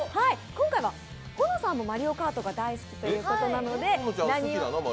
今回は保乃さんも「マリオカート」が大好きということで。